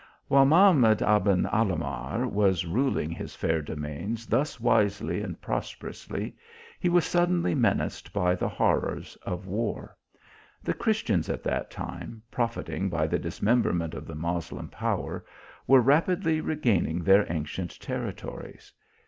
While Mahamad Aben Alahmar was ruling his fair domains thus wisely and prosperously, he was suddenly menaced by the horrors of war. The Christians at that time, profiting by the dismember 293 THE ALHAMBRA. ment of the Moslem power, were rapidly regaining their ancient territories.